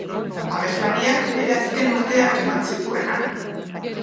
Abeslariak bere azken urteak eman zituen han.